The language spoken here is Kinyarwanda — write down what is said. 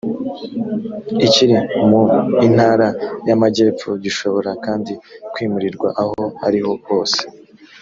ikiri mu intara y amajyepfo gishobora kandi kwimurirwa aho ariho hose